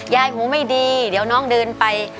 หูไม่ดีเดี๋ยวน้องเดินไป